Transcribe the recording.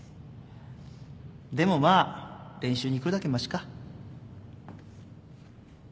でもまあ練習に来るだけましか。